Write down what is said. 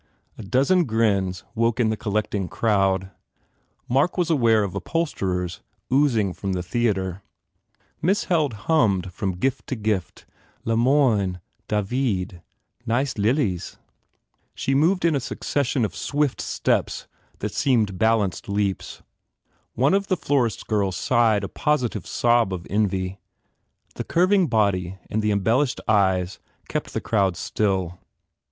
A dozen grins woke in the collect ing crowd. Mark was aware of upholsterers ooz ing from the theatre. Miss Held hummed from gift to gift, murmuring names "Le Moyne. ... ton institutrice. ... Ce bon vieux David. ... Nice lilies." She moved in a succession of swift steps that seemed balanced leaps. One of the florist s girls sighed a positive sob of envy. The curving body and the embellished eyes kept the crowd still.